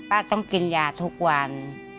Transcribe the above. ต้องกินยาทุกวัน